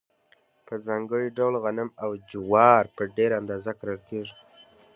په ځانګړي ډول غنم او جوار په ډېره اندازه کرل کیږي.